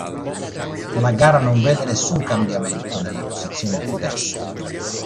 La gara non vede nessun cambiamento nelle posizioni di testa.